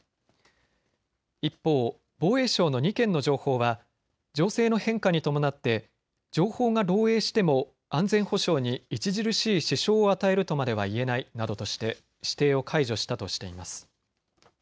一方、防衛省の２件の情報は情勢の変化に伴って情報が漏えいしても安全保障に著しい支障を与えるとまでは言えないなどとして指定を解除したとしています。